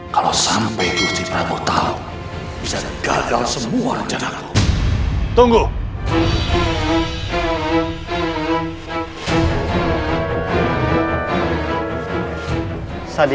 jangan jangan telik sandi itu tahu pertemuanku dengan para adipati